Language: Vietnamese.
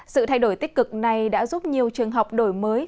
sự thay đổi tích cực này đã giúp nhiều trường học đổi mới